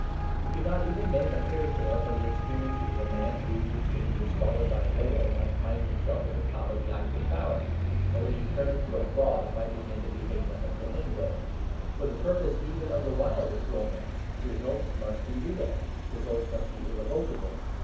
You could not even make a fairy tale from the experiences of a man who, when he was swallowed by a whale, might find himself at the top of the Eiffel Tower, or when he was turned into a frog might begin to behave like a flamingo. For the purpose even of the wildest romance results must be real; results must be irrevocable.